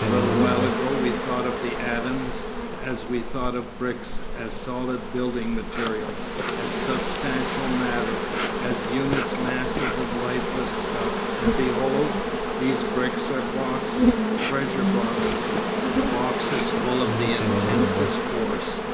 A little while ago we thought of the atoms as we thought of bricks, as solid building material, as substantial matter, as unit masses of lifeless stuff, and behold! these bricks are boxes, treasure boxes, boxes full of the intensest force.